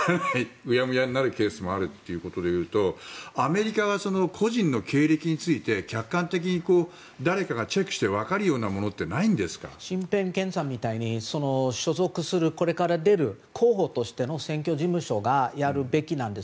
うやむやになるケースもあるということで言うとアメリカは個人の経歴について客観的に誰かがチェックして分かるようなものって身辺検査みたいに所属する、これから出る候補としての選挙事務所がやるべきなんです。